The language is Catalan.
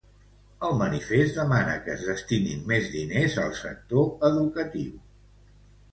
El manifest demana que es destinin més diners al sector educatiu.